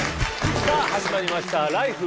さあ始まりました「ＬＩＦＥ！